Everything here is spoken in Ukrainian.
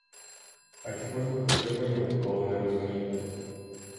А чого ж ви почервоніли, коли не розумієте?